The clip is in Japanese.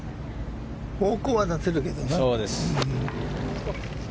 方向は出せるけどな。